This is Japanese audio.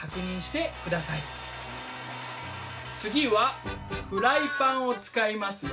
次はフライパンを使いますよ。